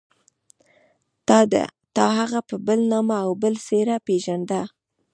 تا هغه په بل نامه او بله څېره پېژانده.